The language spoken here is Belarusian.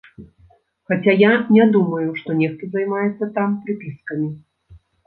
Хаця я не думаю, што нехта займаецца там прыпіскамі.